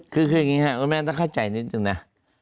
คืออย่างนี้ครับคุณแม่ต้องเข้าใจนิดนึงนะ